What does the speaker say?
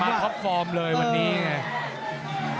ท็อปฟอร์มเลยวันนี้ไง